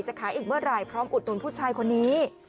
ขายอีกเมื่อไหร่พร้อมอุดหนุนผู้ชายคนนี้